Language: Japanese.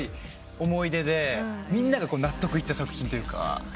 みんなが納得いった作品というか。